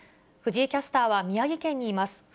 藤井キャスターは宮城県にいます。